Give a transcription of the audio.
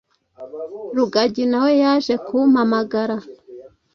rugagi nawe yaje kumpamagara